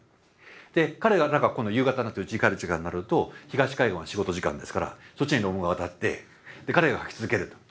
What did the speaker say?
で彼らが今度夕方になってうちに帰る時間になると東海岸は仕事時間ですからそっちに論文が渡って彼が書き続けると。